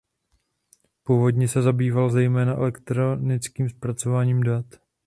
Původně se zabývala zejména elektronickým zpracováním dat.